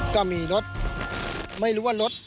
ก็มีรถไม่รู้ว่ารถ